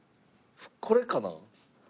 これかな？